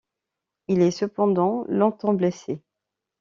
Il est cependant longtemps blessé.